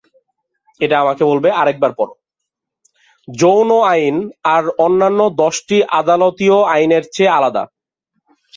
যৌন আইন আর অন্যান্য দশটি আদালতীয় আইনের চেয়ে আলাদা।